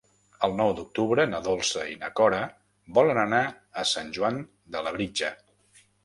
El nou d'octubre na Dolça i na Cora volen anar a Sant Joan de Labritja.